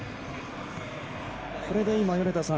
これで、米田さん